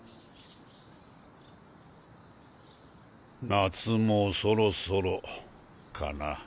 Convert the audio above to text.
夏もそろそろかな。